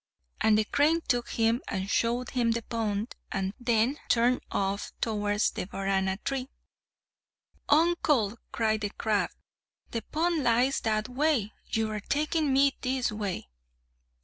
And the crane took him and showed him the pond, and then turned off towards the Varana tree. "Uncle!" cried the crab, "the pond lies that way, but you are taking me this way!"